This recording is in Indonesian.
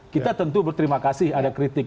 kita tentu berterima kasih ada kritik